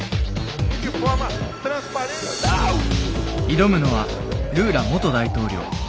挑むのはルーラ元大統領。